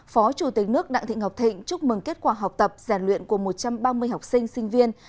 phó chủ tịch nước đặng thị ngọc thịnh chúc mừng kết quả học tập rèn luyện của một trăm ba mươi học sinh sinh viên